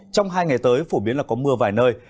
trong hai ngày tới phổ biến là có mưa vài nơi